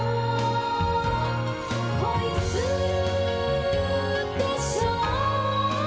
「恋するでしょう」